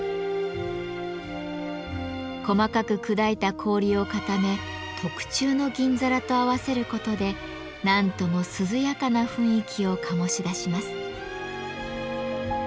細かく砕いた氷を固め特注の銀皿と合わせることで何とも涼やかな雰囲気を醸し出します。